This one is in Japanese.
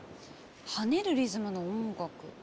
跳ねるリズムの音楽。